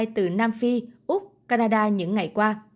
từ nam phi úc canada những ngày qua